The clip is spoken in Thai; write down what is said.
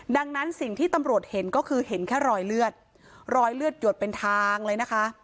ดังนั้นสิ่งที่ตำรวจเห็นก็คือเห็นแค่รอยเลือดรอยเลือดหยดเป็นทางเลยนะคะ